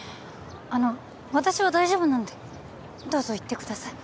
あの私は大丈夫なんでどうぞ行ってください